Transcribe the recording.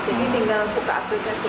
jadi tinggal buka aplikasi